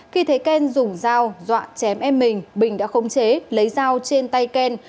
khi thấy ken dùng dao dọa chém em mình bình đã khống chế lấy dao trên tay ken